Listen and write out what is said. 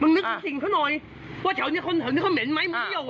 มึงนึกถึงสิ่งเขาหน่อยว่าแถวนี้เขาเหม็นไหมมันเยี่ยวอ่ะ